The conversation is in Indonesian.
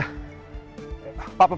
pak maju pak boleh